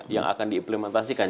yang akan diimplementasikan